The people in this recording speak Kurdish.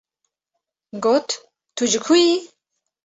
Got: ‘’ Tu ji ku yî? ‘’